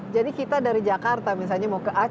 jadi kita dari jakarta misalnya mau ke aceh